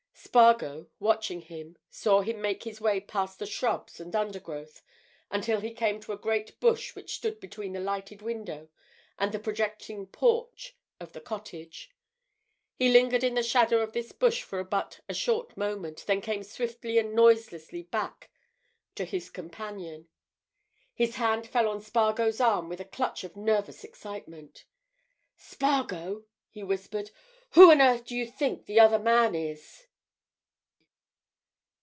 Spargo, watching him, saw him make his way past the shrubs and undergrowth until he came to a great bush which stood between the lighted window and the projecting porch of the cottage. He lingered in the shadow of this bush but for a short moment; then came swiftly and noiselessly back to his companion. His hand fell on Spargo's arm with a clutch of nervous excitement. "Spargo!" he whispered. "Who on earth do you think the other man is?"